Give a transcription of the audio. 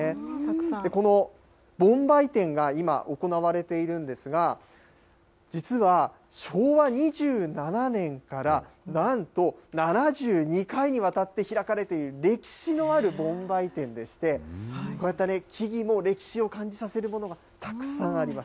この盆梅展が今、行われているんですが、実は昭和２７年から、なんと７２回にわたって開かれている歴史のある盆梅展でして、こうやって木々も歴史を感じさせるものがたくさんあります。